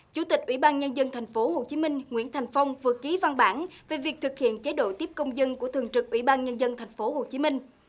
chủ tịch ủy ban nhân dân thành phố hồ chí minh nguyễn thành phong vừa ký văn bản về việc thực hiện chế độ tiếp công dân của thường trực ủy ban nhân dân thành phố hồ chí minh